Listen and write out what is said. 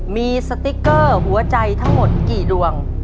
มีสติ๊กเกอร์หัวใจทั้งหมดกี่ดวง